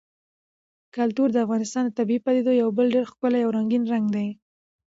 کلتور د افغانستان د طبیعي پدیدو یو بل ډېر ښکلی او رنګین رنګ دی.